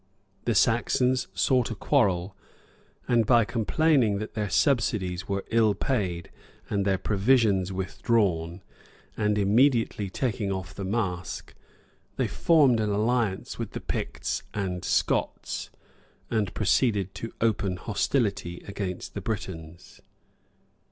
The Saxons sought a quarrel, by complaining that their subsidies were ill paid, and their provisions withdrawn;[] and immediately taking off the mask, they formed an alliance with the Picts and Scots, and proceeded to open hostility against the Britons.